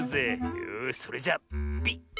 よしそれじゃピッ！